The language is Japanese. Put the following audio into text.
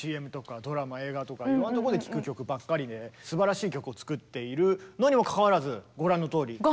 ＣＭとかドラマ映画とかいろんなとこで聴く曲ばっかりですばらしい曲を作っているのにもかかわらずご覧のとおり。